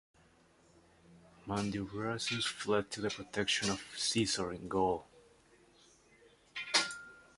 Mandubracius fled to the protection of Caesar in Gaul.